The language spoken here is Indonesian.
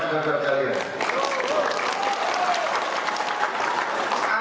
tidak tidak tidak